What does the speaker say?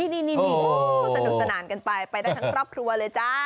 นี่สนุกสนานกันไปไปได้ทั้งครอบครัวเลยจ้า